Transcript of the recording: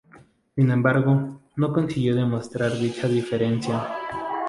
Sin embargo, no consiguió demostrar dicha diferencia.